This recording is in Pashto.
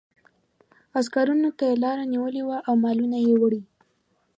عسکرو ته لاره نیولې وه او مالونه یې وړي.